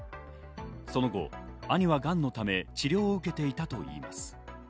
その後、兄はがんのため、治療を受けていたといいます。